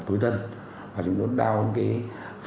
chúng tôi đào phần mềm trứng chỉ giả